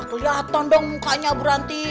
gak kelihatan dong mukanya abur anti